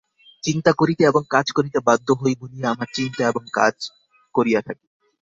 চিন্তা করিতে এবং কাজ করিতে বাধ্য হই বলিয়া আমরা চিন্তা এবং কাজ করিয়া থাকি।